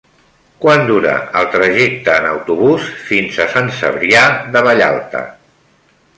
Quant dura el trajecte en autobús fins a Sant Cebrià de Vallalta?